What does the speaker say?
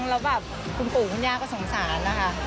แล้วแบบคุณปู่คุณย่าก็สงสารนะคะ